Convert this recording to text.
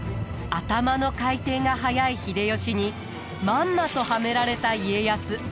頭の回転が速い秀吉にまんまとはめられた家康。